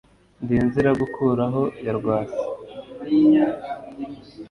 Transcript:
Ndi Nziragukuraho ya Rwasa